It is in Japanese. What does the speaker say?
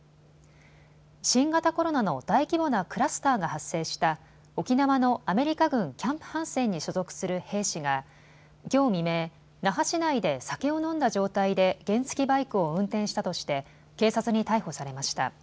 新型コロナの大規模なクラスターが発生した沖縄のアメリカ軍キャンプハンセンに所属する兵士がきょう未明、那覇市内で酒を飲んだ状態で原付きバイクを運転したとして警察に逮捕されました。